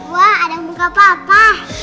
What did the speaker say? wah ada muka papa